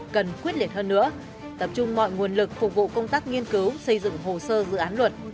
cần quyết liệt hơn nữa tập trung mọi nguồn lực phục vụ công tác nghiên cứu xây dựng hồ sơ dự án luật